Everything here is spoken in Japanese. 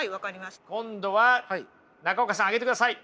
今度は中岡さん上げてください。